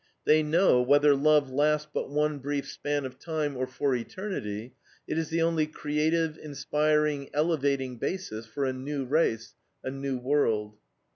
They know, whether love last but one brief span of time or for eternity, it is the only creative, inspiring, elevating basis for a new race, a new world.